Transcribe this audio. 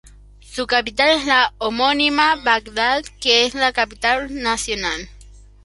Su capital es la homónima Bagdad, que es la capital nacional.